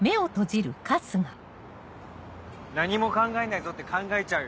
「何も考えないぞ」って考えちゃうよ。